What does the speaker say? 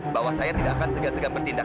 bahwa saya tidak akan segan segan bertindak